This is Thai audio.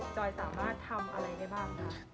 จอยสามารถทำอะไรได้บ้างคะ